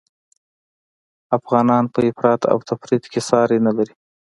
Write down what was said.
افغانان په افراط او تفریط کي ساری نلري